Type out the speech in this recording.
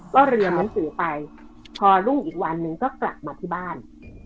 ก็เรียนหนังสือไปพอรุ่งอีกวันนึงก็กลับมาที่บ้าน